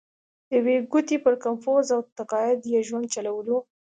د یوې ګوتې پر کمپوز او تقاعد یې ژوند چلوله.